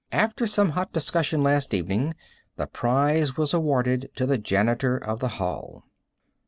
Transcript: After some hot discussion last evening, the prize was awarded to the janitor of the hall.